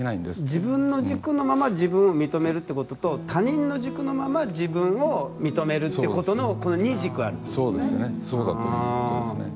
自分の軸のまま自分を認めるということと他人の軸のまま自分を認めるということの２軸あるということですね。